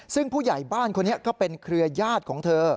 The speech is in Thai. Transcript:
ซึ่งผู้ใหญ่บ้านคนนี้ก็เป็นเครือญาติของเธอ